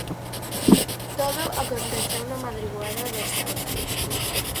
Todo aconteceu na madrugada do sábado.